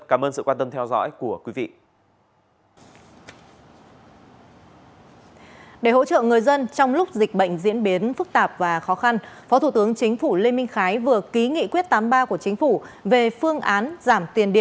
cảm ơn sự quan tâm theo dõi của quý vị